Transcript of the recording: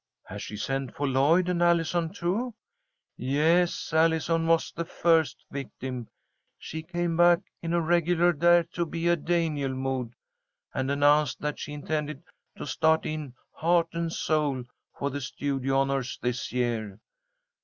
"Has she sent for Lloyd and Allison, too?" "Yes, Allison was the first victim. She came back in a regular dare to be a Daniel mood, and announced that she intended to start in, heart and soul, for the studio honours this year.